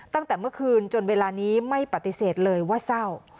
ตั้งแต่เมื่อคืนจนเวลานี้ไม่ปฏิเสธเลยว่าเศร้า